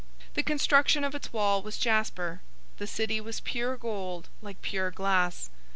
021:018 The construction of its wall was jasper. The city was pure gold, like pure glass.